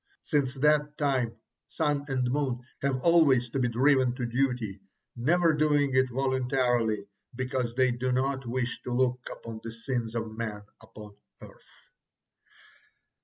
Since that time Sun and Moon have always to be driven to duty, never doing it voluntarily because they do not wish to look upon the sins of man upon earth.